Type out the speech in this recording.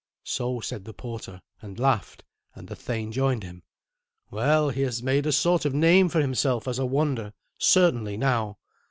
So said the porter, and laughed, and the thane joined him. "Well, he has made a sort of name for himself as a wonder, certainly, now.